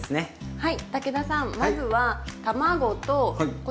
はい。